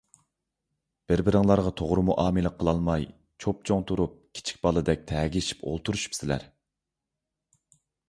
بىر - بىرىڭلارغا توغرا مۇئامىلە قىلالماي چوپچوڭ تۇرۇپ كىچىك بالىدەك تەگىشىپ ئولتۇرۇشۇپسىلەر.